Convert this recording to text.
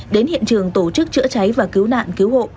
đến hiện trường tổ chức chữa cháy và cứu nạn cứu hộ